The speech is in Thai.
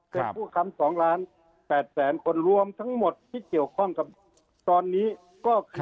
เป็นผู้ค้ำ๒ล้าน๘แสนคนรวมทั้งหมดที่เกี่ยวข้องกับตอนนี้ก็คือ